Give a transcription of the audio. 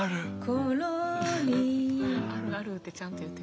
ころり「あるある」ってちゃんと言ってくれる。